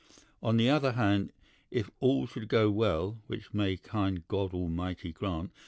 On the other hand, if all should go well (which may kind God Almighty grant!)